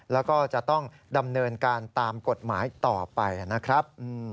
แล้วก็จะต้องดำเนินการตามกฎหมายต่อไปนะครับ